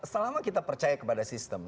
selama kita percaya kepada sistem